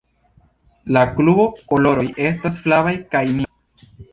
La klubo koloroj estas flava kaj nigra.